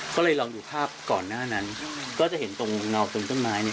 ก็เลยลองดูภาพก่อนหน้านั้นก็จะเห็นตรงเงาตรงต้นไม้เนี่ย